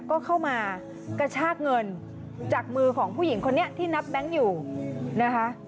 ก็เข้ามากระชากเงินจากมือของผู้หญิงคนนี้ที่นับแบงค์อยู่นะคะ